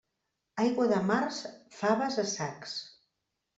Aigua de març, faves a sacs.